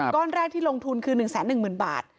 ก้อนแรกที่ลงทุนคือ๑๑๐๐๐บาท